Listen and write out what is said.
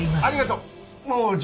ありがとう！